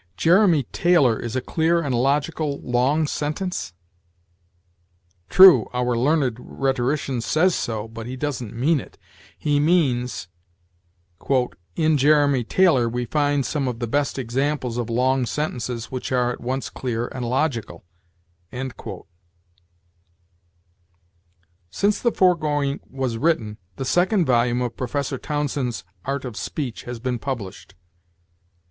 Jeremy Taylor is a clear and logical long sentence?! True, our learned rhetorician says so, but he doesn't mean it. He means, "In Jeremy Taylor we find some of the best examples of long sentences which are at once clear and logical." Since the foregoing was written, the second volume of Professor Townsend's "Art of Speech" has been published.